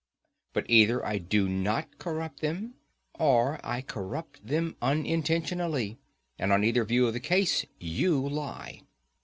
But either I do not corrupt them, or I corrupt them unintentionally; and on either view of the case you lie.